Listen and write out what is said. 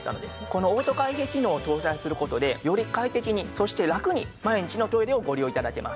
このオート開閉機能を搭載する事でより快適にそしてラクに毎日のトイレをご利用頂けます。